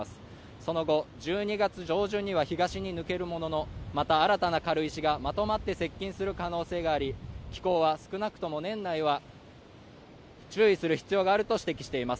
その後１２月上旬には東に抜けるもののまた新たな軽石がまとまって接近する可能性があり機構は少なくとも年内は注意する必要があると指摘しています